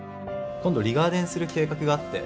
今度リガーデンする計画があって。